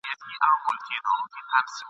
همدایو کسب یې زده همدا خواري وه !.